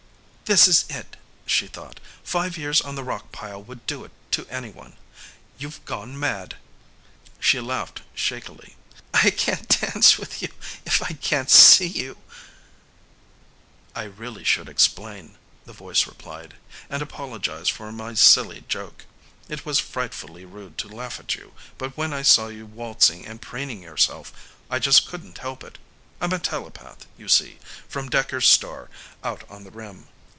"This is it," she thought. "Five years on the rock pile would do it to anyone. You've gone mad." She laughed shakily. "I can't dance with you if I can't see you." "I really should explain," the voice replied, "and apologize for my silly joke. It was frightfully rude to laugh at you, but when I saw you waltzing and preening yourself, I just couldn't help it. I'm a telepath, you see, from Dekker's star, out on the Rim."